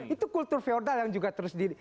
itu kultur feodal yang juga terus di